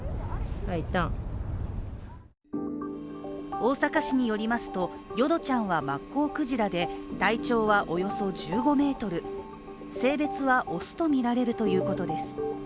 大阪市によりますとヨドちゃんはマッコウクジラで体長はおよそ１５ｍ、性別は雄とみられるということです。